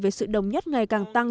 về sự đồng nhất ngày càng tăng